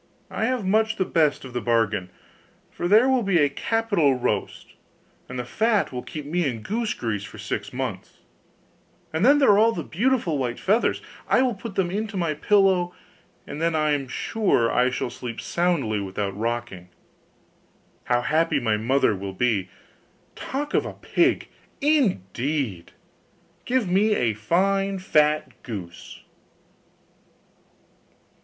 I have much the best of the bargain. First there will be a capital roast; then the fat will find me in goose grease for six months; and then there are all the beautiful white feathers. I will put them into my pillow, and then I am sure I shall sleep soundly without rocking. How happy my mother will be! Talk of a pig, indeed! Give me a fine fat goose.